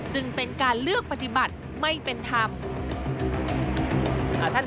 จึงเป็นการเลือกปฏิบัติไม่เป็นธรรม